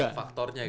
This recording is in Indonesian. banyak faktornya gitu